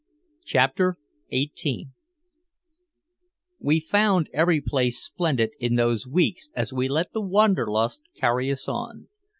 CHAPTER XVIII We found every place splendid in those weeks as we let the wanderlust carry us on.